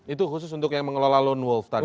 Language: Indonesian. itu khusus untuk yang mengelola lone wolf tadi